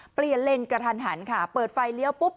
เปลี่ยนเลนกระทันหันค่ะเปิดไฟเลี้ยวปุ๊บ